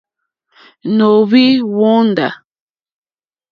Nǒhwì hwóndá.